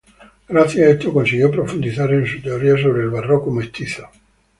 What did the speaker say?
Gracias a esto consiguió profundizar en su teoría sobre el barroco mestizo.